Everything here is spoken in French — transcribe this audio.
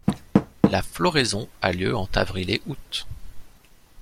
La floraison a lieu entre avril et août.